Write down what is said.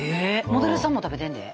モデルさんも食べてんで。